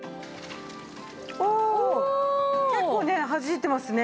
結構ねはじいてますね。